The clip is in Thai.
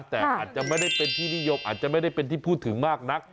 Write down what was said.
แต่อาจจะไม่ได้เป็นที่นิยมอาจจะไม่ได้เป็นที่พูดถึงมากนัก